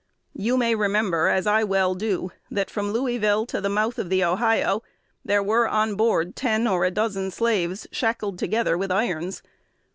You may remember, as I well do, that, from Louisville to the mouth of the Ohio, there were on board ten or a dozen slaves shackled together with irons.